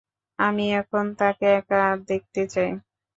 আমি এখন তাকে একা দেখতে চাই।